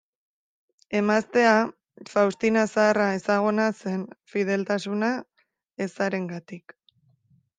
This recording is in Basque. Emaztea, Faustina Zaharra ezaguna zen fideltasuna ezarengatik.